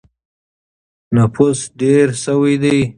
نفوس ډېر شوی دی.